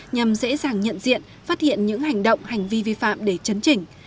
nhằm dễ dàng nhận diện phát hiện những hành động hành vi vi phạm để chấn chỉnh